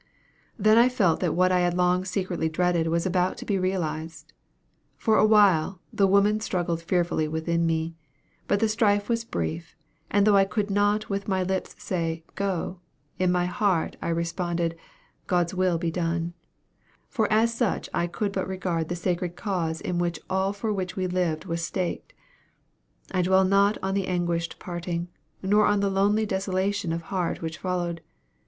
"Then I felt that what I had long secretly dreaded was about to be realized. For awhile the woman struggled fearfully within me but the strife was brief; and though I could not with my lips say 'go,' in my heart I responded, 'God's will be done' for as such I could but regard the sacred cause in which all for which we lived was staked. I dwell not on the anguished parting, nor on the lonely desolation of heart which followed.